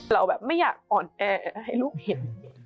เราแบบไม่อยากอ่อนแอให้ลูกเห็น